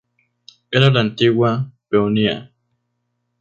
Era la antigua Peonia.